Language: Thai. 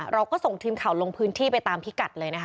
เราก็ส่งทีมข่าวลงพื้นที่ไปตามพิกัดเลยนะคะ